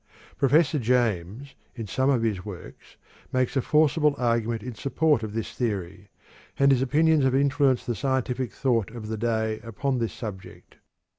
Professor James, in some of his works, makes a forcible argument in support of this theory, and his opinions have influenced the scientific thought of the day upon this subject.